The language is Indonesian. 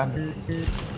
emang keajaiban apa ya papa